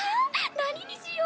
何にしよう！